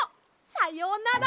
さようなら！